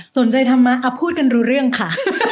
สนใจธรรมะค่ะพูดกันรู้เรื่องค่ะ